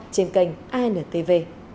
trên kênh antv